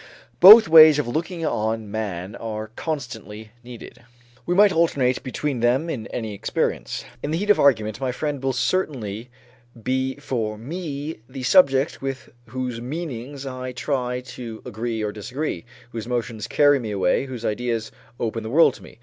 Both ways of looking on man are constantly needed. We might alternate between them in any experience. In the heat of argument, my friend will certainly be for me the subject with whose meanings I try to agree or disagree, whose emotions carry me away, whose ideas open the world to me.